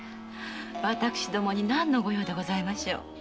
私どもに何の御用でございましょう？